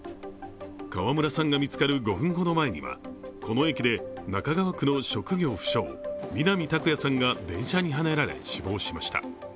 川村さんが見つかる５分ほど前にはこの駅で中川区の職業不詳・南拓哉さんが電車にはねられ、死亡しました。